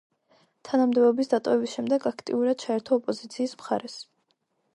თანამდებობის დატოვების შემდეგ აქტიურად ჩაერთო ოპოზიციის მხარეს.